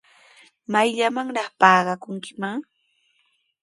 ¿Mayllamanraq pakakunkiman?